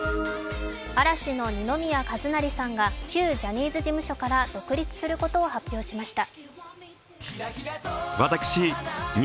嵐の二宮和也さんが旧ジャニーズ事務所から独立することを発表しました。